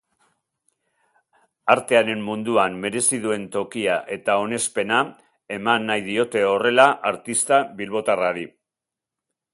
Artearen munduan merezi duen tokia eta onespena eman nahi diote horrela artista bilbotarrari.